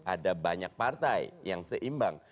ada banyak partai yang seimbang